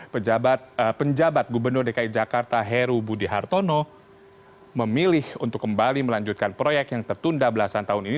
pada tahun dua ribu dua puluh tiga penjabat gubernur dki jakarta heru budi hartono memilih untuk kembali melanjutkan proyek yang tertunda belasan tahun ini